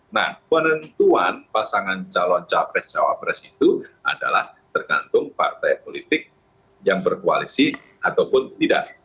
nah penentuan pasangan calon capres cawapres itu adalah tergantung partai politik yang berkoalisi ataupun tidak